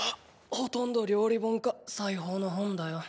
ほとんど料理本か裁縫の本だよ。